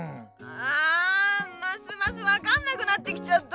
あますますわかんなくなってきちゃった。